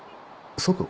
外？